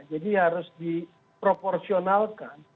jadi harus diproporsionalkan